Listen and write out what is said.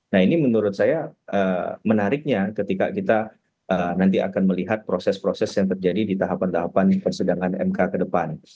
nah ini menurut saya menariknya ketika kita nanti akan melihat proses proses yang terjadi di tahapan tahapan persidangan mk ke depan